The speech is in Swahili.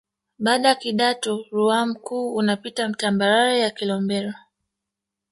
Baada ya Kidatu Ruaha Mkuu unapita tambarare ya Kilombero